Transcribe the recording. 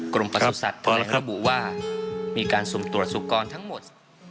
กรมประสุทธิ์ธรรมนี้บูว่ามีการสุ่มตรวจสุขกรทั้งหมด